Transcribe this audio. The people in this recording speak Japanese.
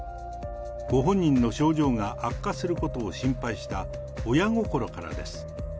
ご本人の症状が悪化することを心配した親心からです。